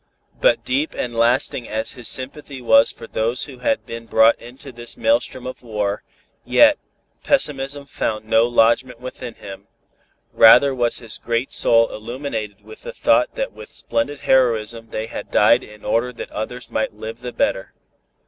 But deep and lasting as his sympathy was for those who had been brought into this maelstrom of war, yet, pessimism found no lodgment within him, rather was his great soul illuminated with the thought that with splendid heroism they had died in order that others might live the better.